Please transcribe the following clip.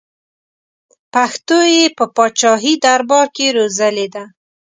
پښتو یې په پاچاهي دربار کې روزلې ده.